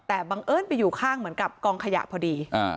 แต่บังเอิญไปอยู่ข้างเหมือนกับกองขยะพอดี